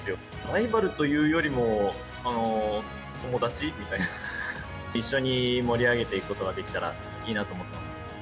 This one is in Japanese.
ライバルというよりも、友達みたいな、一緒に盛り上げていくことができたらいいなと思っています。